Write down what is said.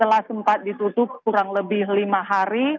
setelah sempat ditutup kurang lebih lima hari